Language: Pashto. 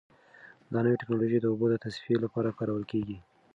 دا نوې ټیکنالوژي د اوبو د تصفیې لپاره کارول کیږي.